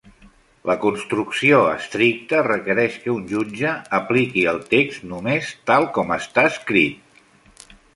La construcció estricta requereix que un jutge apliqui el text només tal com està escrit.